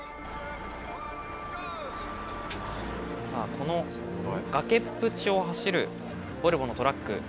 ・この崖っぷちを走るボルボのトラック。